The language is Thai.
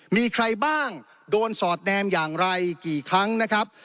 มีใครบ้างโดนสอดแนมอย่างไรกี่ครั้งนะครับ